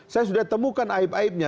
saya sudah temukan aib aibnya